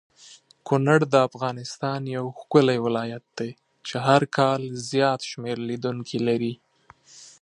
کونړ دافغانستان یو ښکلی ولایت دی چی هرکال زیات شمیر لیدونکې لری